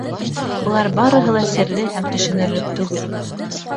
Былар барыһы ла серле һәм төшөнөрлөк түгел.